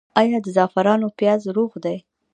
آیا د زعفرانو پیاز روغ دي؟